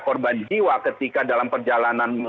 korban jiwa ketika dalam perjalanan